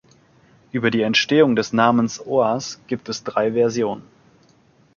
Über die Entstehung des Namens Oas gibt es drei Versionen.